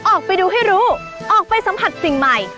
ออกไปดูให้รู้ออกไปสัมผัสสิ่งใหม่